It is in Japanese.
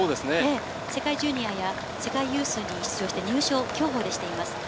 世界ジュニアや世界ユースに出場して、競歩で入賞しています。